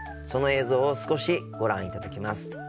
その映像を少しご覧いただきます。